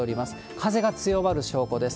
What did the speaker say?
風が強まる証拠です。